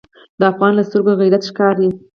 د افغان له سترګو غیرت ښکاري.